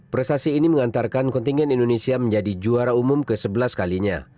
prestasi ini mengantarkan kontingen indonesia menjadi juara umum ke sebelas kalinya